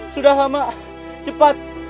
sudah sama cepat